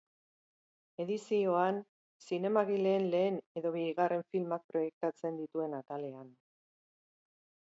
Edizioan, zinemagileen lehen edo bigarren filmak proiektatzen dituen atalean.